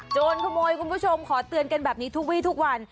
โจรขโมยคุณผู้ชมขอเตือนกันแบบนี้ทุกวีทุกวัน